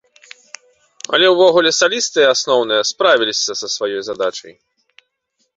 Але ўвогуле салісты асноўныя справіліся са сваёй задачай.